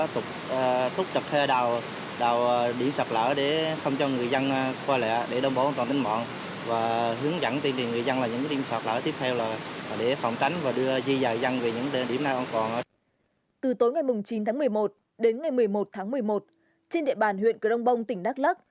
từ tối ngày chín tháng một mươi một đến ngày một mươi một tháng một mươi một trên địa bàn huyện crong bông tỉnh đắk lắc